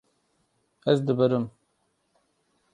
Ez dibirim.